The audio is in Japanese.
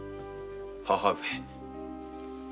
母上。